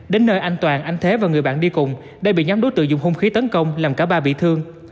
đến nơi anh toàn anh thế và người bạn đi cùng đã bị nhóm đối tượng dùng hung khí tấn công làm cả ba bị thương